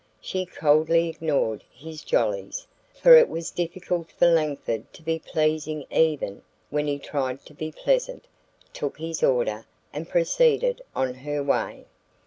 She coldly ignored his "jollies," for it was difficult for Langford to be pleasing even when he tried to be pleasant, took his order, and proceeded on her way.